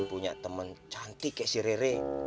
punya teman cantik kayak si rere